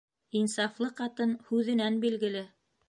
Инсафлы ҡатын һүҙенән билгеле.